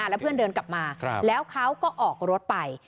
แล้วเพื่อนเดินกลับมาแล้วเขาก็ออกรถไป